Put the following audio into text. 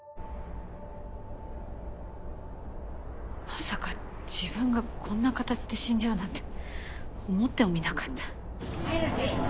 まさか自分がこんな形で死んじゃうなんて思ってもみなかった。